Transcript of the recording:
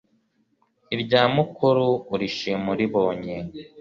irya mukuru urishima uribonye